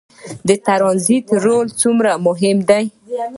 د ټرانزیټ رول څومره مهم دی؟